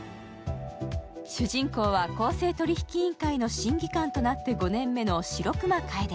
主人公は公正取引委員会の審議官となって５年目の白熊楓。